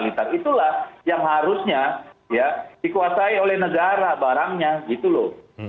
itulah yang harusnya ya dikuasai oleh negara barangnya gitu loh